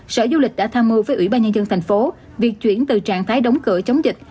sở du lịch đã tham mưu với ủy ban nhân dân thành phố việc chuyển từ trạng thái đóng cửa chống dịch